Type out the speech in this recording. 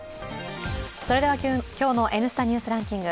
今日の「Ｎスタニュースランキング」。